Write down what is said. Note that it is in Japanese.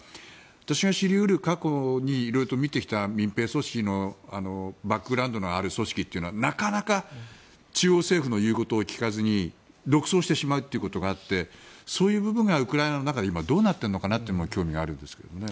私が知りうる過去にいろいろ見てきた民兵組織のバックグラウンドのある組織というのはなかなか中央政府のいうことを聞かずに独走してしまうことがあってそういう部分がウクライナの中でどうなっているのかなというのが興味ありますね。